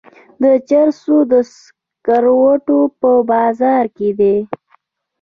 د چرسو شرکتونه په بازار کې دي.